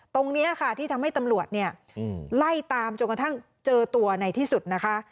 ตรงนี้ค่ะที่ทำให้ตำรวจเนี่ยไล่ตามจนกระทั่งเจอตัวในที่สุดนะคะ